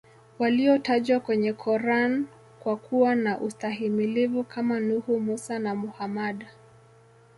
walio tajwa kwenye Quran kwa kuwa na ustahimilivu Kama nuhu mussa na Muhammad